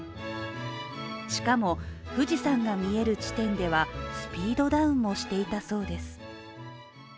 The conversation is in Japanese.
しかも、富士山が見える地点ではスピードダウンもしていたそうです。